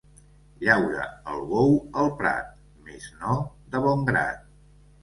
Llaura el bou el prat, mes no de bon grat.